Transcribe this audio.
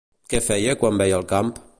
Què feia quan veia el camp?